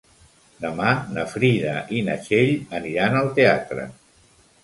Demà na Frida i na Txell aniran al teatre.